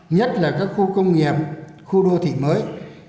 nhất là các khu công nghiệp khu đô thị mới